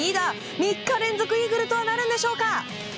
３日連続イーグルとなるのでしょうか。